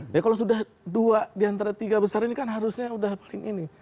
ya kalau sudah dua diantara tiga besar ini kan harusnya sudah paling ini